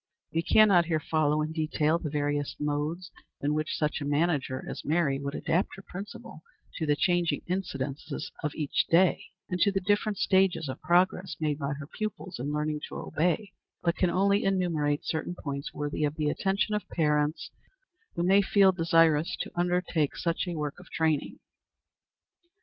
We can not here follow in detail the various modes in which such a manager as Mary would adapt her principle to the changing incidents of each day, and to the different stages of progress made by her pupils in learning to obey, but can only enumerate certain points worthy of the attention of parents who may feel desirous to undertake such a work of training.